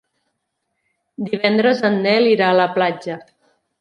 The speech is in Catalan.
Divendres en Nel irà a la platja.